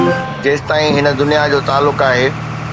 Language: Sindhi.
جيستائين هن دنيا جو تعلق آهي.